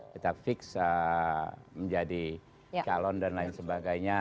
kita fix menjadi calon dan lain sebagainya